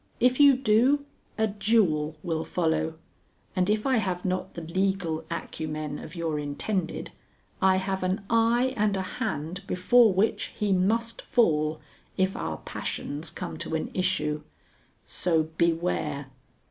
If you do, a duel will follow, and if I have not the legal acumen of your intended, I have an eye and a hand before which he must fall, if our passions come to an issue. So beware!